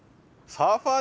サーファー？